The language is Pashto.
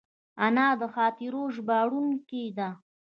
انا د خاطرو ژباړونکې ده